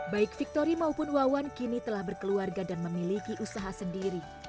baik victori maupun wawan kini telah berkeluarga dan memiliki usaha sendiri